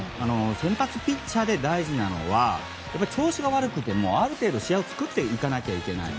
先発ピッチャーで大事なのは調子が悪くてもある程度、試合を作っていかなきゃいけない。